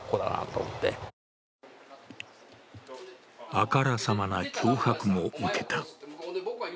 あからさまな脅迫も受けた。